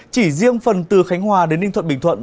chỉ riêng phần từ khánh hòa đến ninh thuận bình thuận